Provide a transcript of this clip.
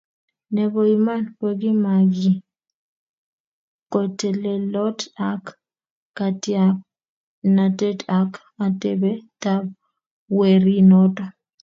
Nebo iman kokimakekiy, kotelelot ak katiaknatet ak atebetab werinoto